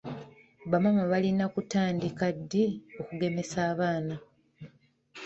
Bamaama balina kutandika ddi okugemesa abaana?